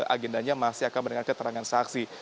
agendanya juga masih akan mendengar keterangan saksi